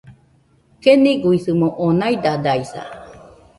Keniguisɨmo oo naidadaisa